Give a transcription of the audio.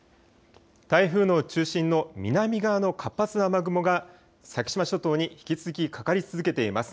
台風の中心の南側の活発な雨雲が先島諸島に引き続きかかり続けています。